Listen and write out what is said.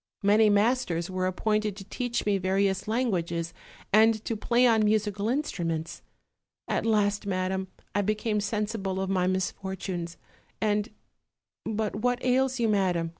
Many masters were appointed to teach me various languages and to play on musical instruments; at last, madam, I became sensible of my misfortunes, and but what ails you, madam?"